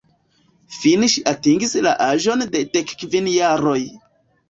Fine ŝi atingis la aĝon de dekkvin jaroj.